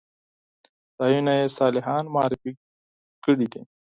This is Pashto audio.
ځانونه یې صالحان معرفي کړي دي.